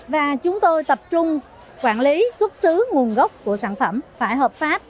và chúng tôi tập trung quản lý xuất xứ nguồn gốc của sản phẩm phải hợp pháp